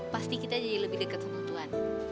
pasti kita jadi lebih dekat sama tuhan